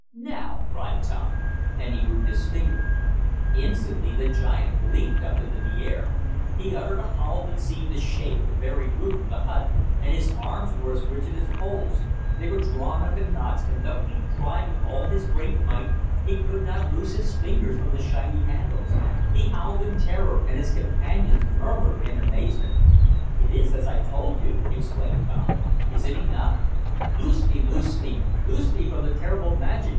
"Now!" cried Tom, and he moved his finger. Instantly the giant leaped up into the air. He uttered a howl that seemed to shake the very roof of the hut, and his arms were as rigid as poles. They were drawn up in knots, and though he tried with all his great might, he could not loose his fingers from the shiny handles. He howled in terror, and his companions murmured in amazement. "It is as I told you!" exclaimed Tom. "Is it enough?" "Loose me! Loose me! Loose me from the terrible magic!"